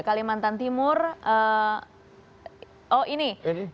kalimantan timur oh ini